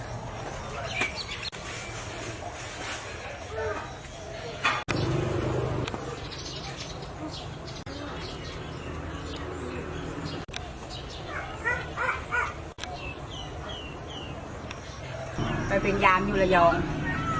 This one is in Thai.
ติดต่อไปช่วยช่วยติดต่อไปขอบคุณค่ะ